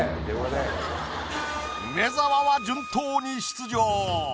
梅沢は順当に出場。